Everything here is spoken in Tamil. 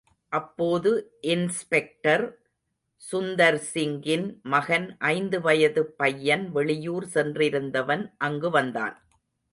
அப்போது இன்ஸ்பெக்டர் சுந்தர்சிங்கின் மகன் ஐந்து வயதுப் பையன் வெளியூர் சென்றிருந்தவன் அங்கு வந்தான்.